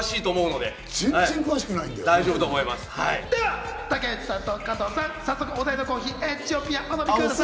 では竹内さんと加藤さん、早速お題のコーヒー、エチオピアをお飲みください。